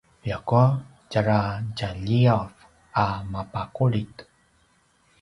ljakua tjara tjaliyav a mapaqulid